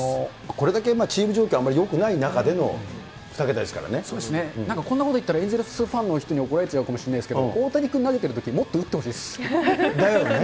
これだけチーム状況がよくなそうですね、なんかこんなこと言ったら、エンゼルスファンの人に怒られちゃうかもしれないですけど、大谷君投げてるときに、もっと打ってほしいです。だよね。